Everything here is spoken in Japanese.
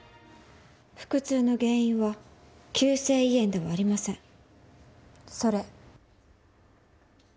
腹痛の原因は急性胃炎ではありません。